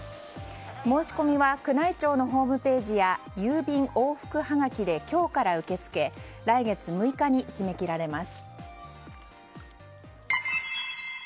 申し込みは宮内庁のホームページや郵便往復はがきで今日から受け付け来月６日に締め切られます